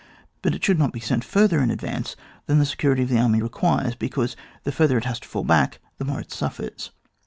But it should not be sent further in advance than the security of the army requires, because the further it has to fall back the more it suffers.